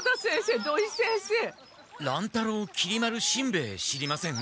乱太郎きり丸しんべヱ知りません？